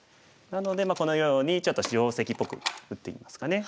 なのでこのようにちょっと定石っぽく打ってみますかね。